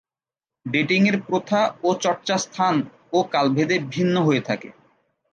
Dating এর প্রথা ও চর্চা স্থান ও কাল ভেদে ভিন্ন হয়ে থাকে।